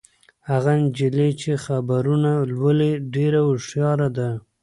هغه نجلۍ چې خبرونه لولي ډېره هوښیاره ده.